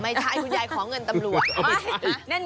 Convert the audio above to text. ไม่ใช่คุณยายขอเงินตำรวจ